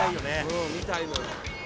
「うん見たいのよ」